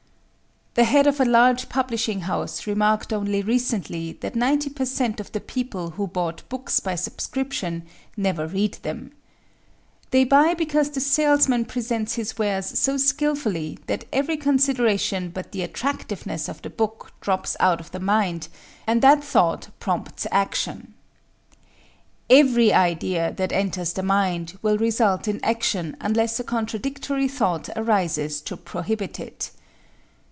The head of a large publishing house remarked only recently that ninety per cent of the people who bought books by subscription never read them. They buy because the salesman presents his wares so skillfully that every consideration but the attractiveness of the book drops out of the mind, and that thought prompts action. Every idea that enters the mind will result in action unless a contradictory thought arises to prohibit it.